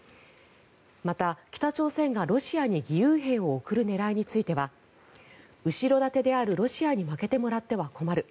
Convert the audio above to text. また、北朝鮮がロシアに義勇兵を送る狙いについては後ろ盾であるロシアに負けてもらっては困る